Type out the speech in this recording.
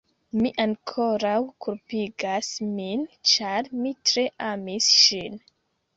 Mi ankoraŭ kulpigas min, ĉar mi tre amis ŝin.